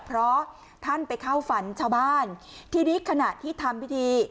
เพราะท่านไปเข้าฝันชาวบ้านทีนี้ขณะที่ทำพิธี